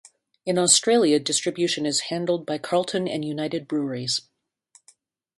In Australia, distribution is handled by Carlton and United Breweries.